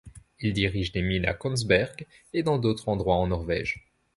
Il dirige des mines à Kongsberg et dans d’autres endroits en Norvège.